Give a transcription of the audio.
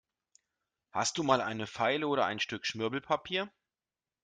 Hast du mal eine Feile oder ein Stück Schmirgelpapier?